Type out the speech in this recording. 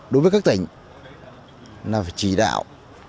đối với các tỉnh chúng ta phải chỉ đạo